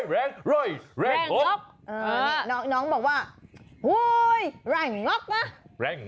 ร่อยแรงด้วย